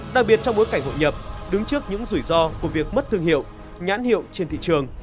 đặc biệt trong bối cảnh hội nhập đứng trước những rủi ro của việc mất thương hiệu nhãn hiệu trên thị trường